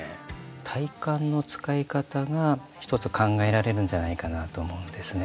体幹の使い方が一つ考えられるんじゃないかなと思うんですね。